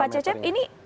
pak cecep ini